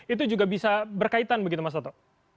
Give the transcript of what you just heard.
itu juga bisa berkaitan begitu mas toto